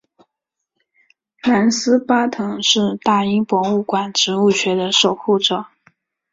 兰斯巴腾是大英博物馆植物学的守护者。